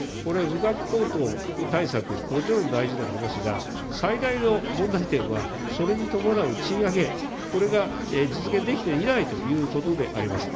価格高騰対策、もちろん大事でありますが、最大の問題点は、それに伴う賃上げ、これが実現できていないということであります。